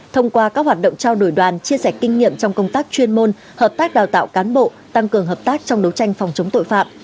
thông qua các hoạt động trao đổi đoàn chia sẻ kinh nghiệm trong công tác chuyên môn hợp tác đào tạo cán bộ tăng cường hợp tác trong đấu tranh phòng chống tội phạm